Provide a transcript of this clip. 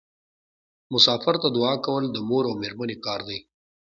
مسافر ته دعا کول د مور او میرمنې کار دی.